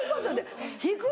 引く？